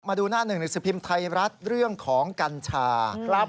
มาดูหน้าหนึ่งหนังสือพิมพ์ไทยรัฐเรื่องของกัญชาครับ